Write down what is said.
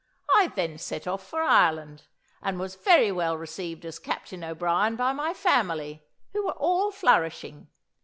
I then set off for Ireland, and was very well received as Captain O'Brien by my family, who were all flourishing.